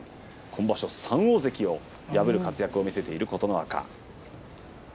今場所３大関を破る活躍を見せている琴ノ若。